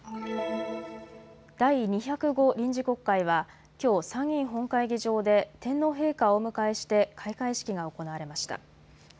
第２０５臨時国会はきょう参議院本会議上で天皇陛下をお迎えして開会式が行われました。